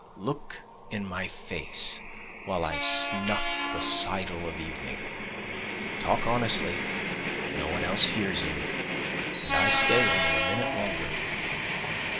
Look in my face while I snuff the sidle of evening, (Talk honestly, no one else hears you, and I stay only a minute longer.)